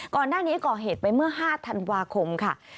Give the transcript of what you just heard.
ก่อนหน้านี้ก่อเหตุไปเมื่อ๕ธันวาคมค่ะ